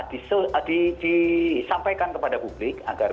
disampaikan kepada publik agar